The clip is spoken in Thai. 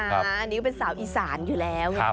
อันนี้ก็เป็นสาวอีสานอยู่แล้ว